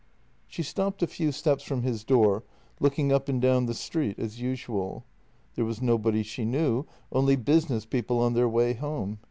She stopped a few steps from his door, looking up and down the street, as usual. There was nobody she knew, only busi ness people on their way home.